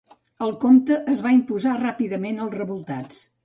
El comte es va imposar ràpidament als revoltats.